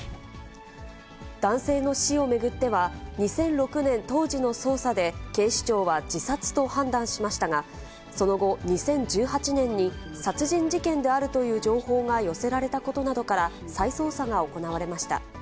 男性の死を巡っては、２００６年当時の捜査で、警視庁は自殺と判断しましたが、その後、２０１８年に殺人事件であるという情報が寄せられたことなどから、再捜査が行われました。